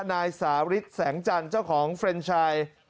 นายสาริสแสงจันทร์เจ้าของเฟรนชาย